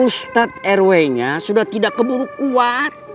ustadz rw nya sudah tidak ada yang menanggung kita besok